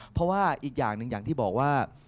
เพราะว่าอีกอย่างหนึ่งอย่างที่บอกว่า